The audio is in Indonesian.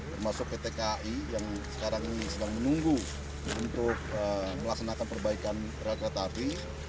termasuk pt kai yang sekarang sedang menunggu untuk melaksanakan perbaikan relak relak api